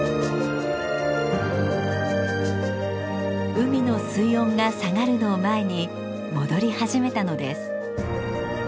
海の水温が下がるのを前に戻り始めたのです。